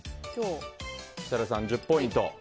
設楽さん１０ポイント。